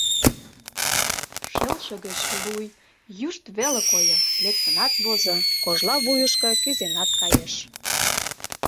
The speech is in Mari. Шелше гыч луй юшт веле койо, лектынат возо, кожла вуйышко кӱзенат кайыш.